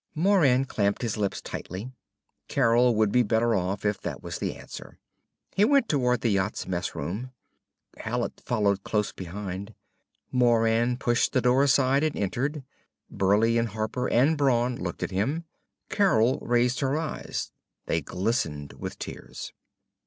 Moran clamped his lips tightly. Carol would be better off if that was the answer. He went toward the yacht's mess room. Hallet followed close behind. Moran pushed the door aside and entered. Burleigh and Harper and Brawn looked at him, Carol raised her eyes. They glistened with tears.